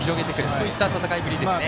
そういった戦いぶりですね。